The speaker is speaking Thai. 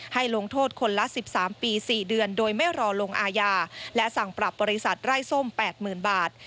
ลงโทษคนละ๑๓ปี๔เดือนโดยไม่รอลงอาญาและสั่งปรับบริษัทไร้ส้ม๘๐๐๐บาท